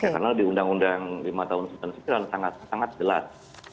karena di undang undang lima tahun setan sekitar sangat jelas